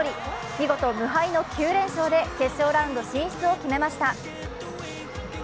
見事無敗の９連勝で決勝ラウンド進出を決めました。